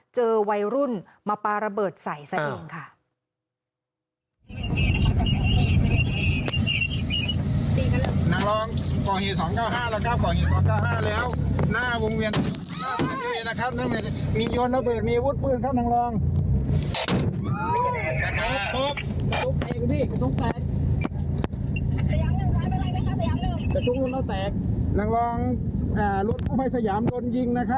เจอวัยรุ่นมาปลาระเบิดใส่ซะเองค่ะ